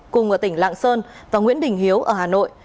cùng ở tỉnh lạng sơn và nguyễn đình hiếu ở hà nội